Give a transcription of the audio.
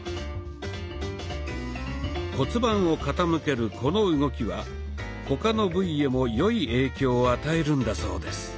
骨盤を傾けるこの動きは他の部位へも良い影響を与えるんだそうです。